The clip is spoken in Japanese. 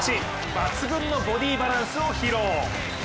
抜群のボディバランスを披露。